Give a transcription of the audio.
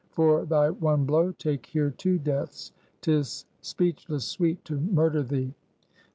"For thy one blow, take here two deaths! 'Tis speechless sweet to murder thee!"